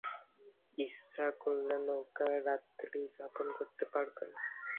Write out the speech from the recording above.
ইচ্ছা করলে নৌকায় রাত্রিযাপন করতে পারবেন।